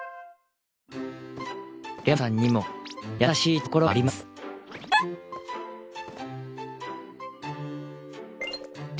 リャマさんにも優しいところはありますキュウ。